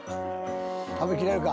食べ切れるか。